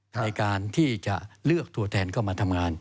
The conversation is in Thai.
ในการที่จะเลือกตัวแทนเข้ามาทำงาน